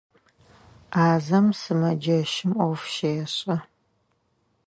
Ӏазэм сымэджэщым ӏоф щешӏэ.